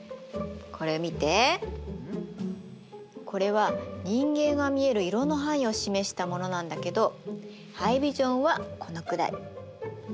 これは人間が見える色の範囲を示したものなんだけどハイビジョンはこのくらい。